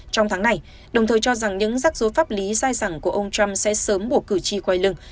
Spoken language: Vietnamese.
trong tháng này đồng thời cho rằng những rắc rối pháp lý sai sẵn của ông trump sẽ sớm bổ cử tri quay lưng